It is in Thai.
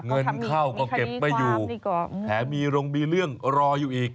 เงินเข้าก็เก็บไม่อยู่แถมมีโรงมีเรื่องรออยู่อีก